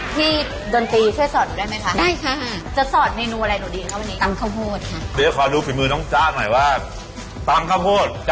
พี่ดนตรีช่วยสอดหนูได้ไหมคะ